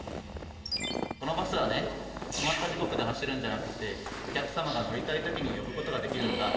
このバスはね決まった時刻で走るんじゃなくてお客様が乗りたい時に呼ぶことができるんだ。